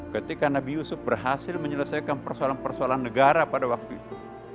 ketika nabi yusuf berhasil menyelesaikan persoalan persoalan negara pada waktu itu